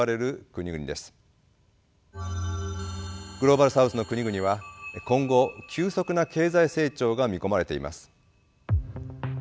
グローバル・サウスの国々は今後急速な経済成長が見込まれています。